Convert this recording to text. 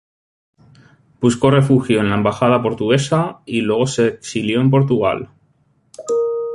Buscó refugio en la embajada portuguesa y luego se exilió en Portugal.